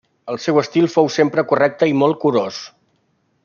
El seu estil fou sempre correcte i molt curós.